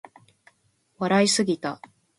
笑いすぎた